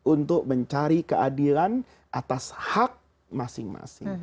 untuk mencari keadilan atas hak masing masing